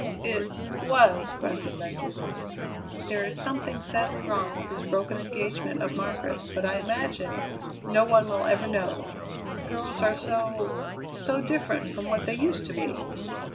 "It was!" grunted Ledyard. "There is something sadly wrong with this broken engagement of Margaret's, but I imagine no one will ever know. Girls are so so different from what they used to be."